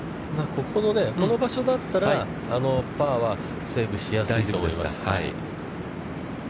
ここのこの場所だったら、パーはセーブしやすいと思います。